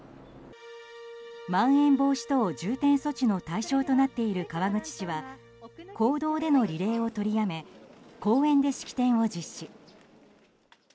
まん延防止等重点措置の対象となっている川口市は公道でのリレーを取りやめ公園で式典を実施。